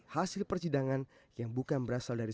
hasil persidangan yang bukan berasal dari